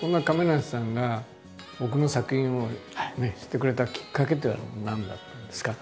そんな亀梨さんが僕の作品を知ってくれたきっかけっていうのは何だったんですか？